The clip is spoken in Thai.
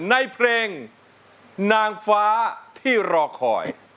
ในเพลงนางฟ้าที่รอคอย